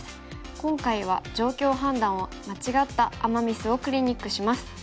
今回は状況判断を間違ったアマ・ミスをクリニックします。